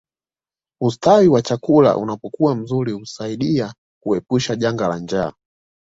Ustawi wa chakula unapokuwa mzuri huasaidia kuepusha janga la njaa